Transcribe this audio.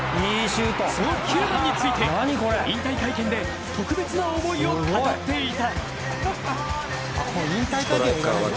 その９番について、引退会見で特別な思いを語っていた。